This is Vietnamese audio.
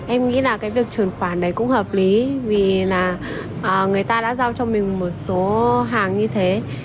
em nghĩ là cái việc truyền khoản đấy cũng hợp lý vì là người ta đã giao cho mình một số hàng như thế